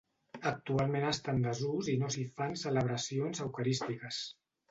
Actualment està en desús i no s'hi fan celebracions eucarístiques.